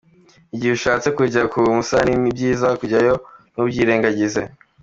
Igihe ushatse kujya ku musarani ni byiza kujyayo ntubyirengagize.